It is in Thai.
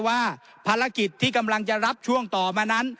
ว่าภารกิจที่กำลังจะรับช่วงต่อมานั้น